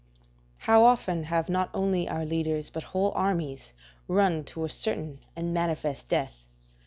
["How often have not only our leaders, but whole armies, run to a certain and manifest death."